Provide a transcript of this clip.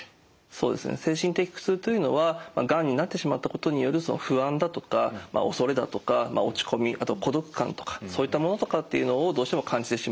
そうですね精神的苦痛というのはがんになってしまったことによる不安だとか恐れだとか落ち込みあと孤独感とかそういったものとかっていうのをどうしても感じてしまう。